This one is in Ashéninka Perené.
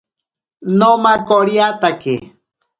Nomakoriatake.